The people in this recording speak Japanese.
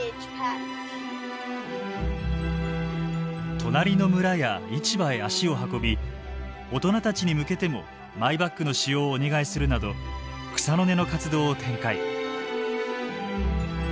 隣の村や市場へ足を運び大人たちに向けてもマイバッグの使用をお願いするなど草の根の活動を展開。